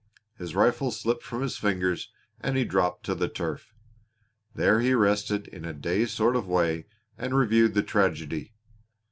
His rifle slipped from his fingers and he dropped to the turf. There he rested in a dazed sort of way and reviewed the tragedy.